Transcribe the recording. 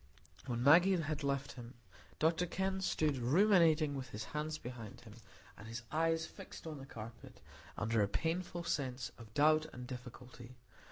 When Maggie had left him, Dr Kenn stood ruminating with his hands behind him, and his eyes fixed on the carpet, under a painful sense of doubt and difficulty.